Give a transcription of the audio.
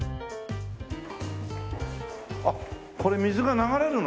あっこれ水が流れるの？